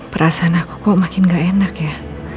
perasaan aku kok makin gak enak ya